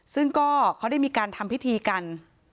ซึ่งก็เขาได้มีการทำพิธีกัน